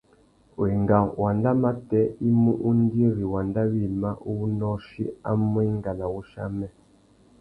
Wenga wanda matê i mú undiri wanda wïmá uwú nôchï a mú enga na wuchiô amê.